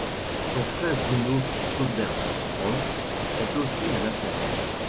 Son frère Bruno Söderström est aussi un athlète.